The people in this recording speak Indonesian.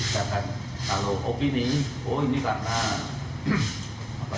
sedangkan kalau opini oh ini karena itu tidak melawan dan sebagainya bukan dari kita